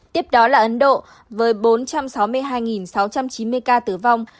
tiếp đó là ấn độ với bốn trăm sáu mươi hai sáu trăm chín mươi ca tử vong